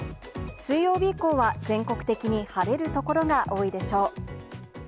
水曜日以降は、全国的に晴れる所が多いでしょう。